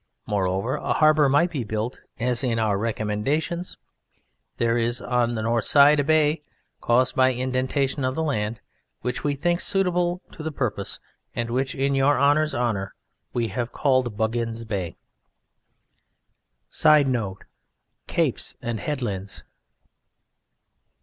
Moreover a harbour might be built as in our Recommendations (q.v.). There is on the northern side a bay (caused by indentation of the land) which we think suitable to the purpose and which, in Your Honour's honour, we have called Buggins' Bay. [Sidenote: Capes and Headlands.